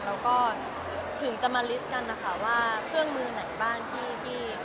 แล้วก็ถึงจะมาลิฟต์กันนะคะว่าเครื่องมือไหนบ้างที่